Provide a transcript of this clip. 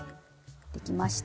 できました。